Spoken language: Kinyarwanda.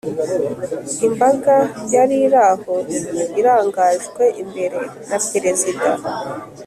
imbaga yari iraho irangajwe imbere na perezida